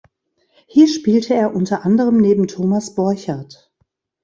Hier spielte er unter anderem neben Thomas Borchert.